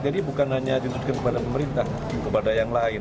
jadi bukan hanya ditutup kepada pemerintah kepada yang lain